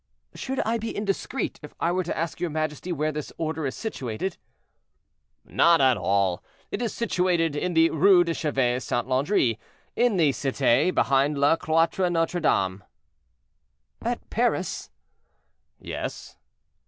"Should I be indiscreet if I were to ask your majesty where this order is situated?" "Not at all; it is situated in the Rue de Chevet Saint Laudry, in the Cité, behind Le Cloitre Notre Dame." "At Paris?"—"Yes."